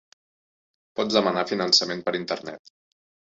Pots demanar finançament per Internet.